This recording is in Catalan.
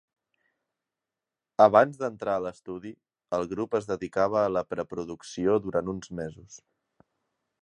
Abans d'entrar a l'estudi, el grup es dedicava a la preproducció durant uns mesos.